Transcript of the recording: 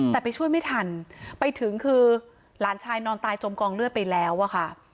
แต่ไปช่วยไม่ทันไปถึงคือหลานชายนอนตายจมกองเลือดไปแล้วอะค่ะ